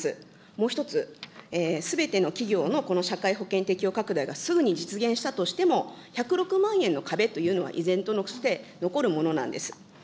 もう一つ、すべての企業のこの社会保険適用拡大がすぐに実現したとしても、１０６万円の壁というのは依然として残るものなんです。